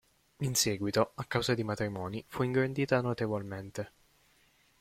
In seguito, a causa di matrimoni, fu ingrandita notevolmente.